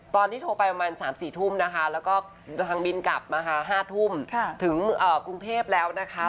โทรไปประมาณ๓๔ทุ่มนะคะแล้วก็ทางบินกลับนะคะ๕ทุ่มถึงกรุงเทพแล้วนะคะ